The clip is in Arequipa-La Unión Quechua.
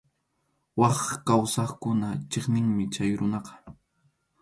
Wak kawsaqkuna chiqniqmi chay runaqa.